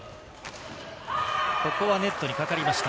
ここはネットにかかりました。